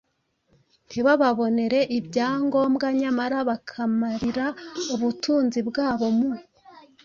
ntibababonere ibyangombwa nyamara bakamarira ubutunzi bwabo mu